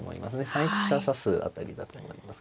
３一飛車指す辺りだと思います。